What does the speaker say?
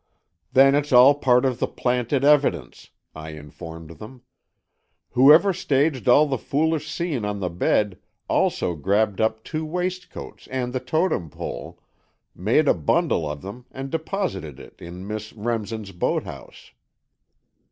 "Then it's all part of the planted evidence," I informed them. "Whoever staged all the foolish scene on the bed, also grabbed up two waistcoats and the Totem Pole, made a bundle of them and deposited it in Miss Remsen's boathouse."